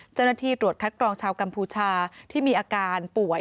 เจ้าหน้าที่ตรวจคัดกรองชาวกัมพูชาที่มีอาการป่วย